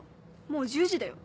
もう１０時だよ。